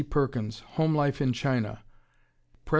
Perkins, "Home Life in China." Pres.